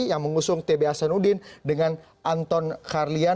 yang mengusung tba senudin dengan anton kharlian